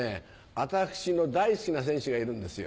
私の大好きな選手がいるんですよ。